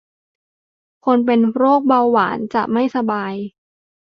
คนเป็นโรคเบาหวาน จะไม่สบาย